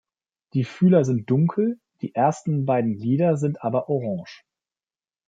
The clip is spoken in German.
Die Fühler sind dunkel, die ersten beiden Glieder sind aber orange.